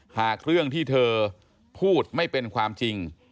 หากเรื่องที่เธอพูดไม่เป็นความจริง